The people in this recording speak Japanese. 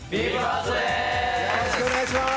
よろしくお願いします。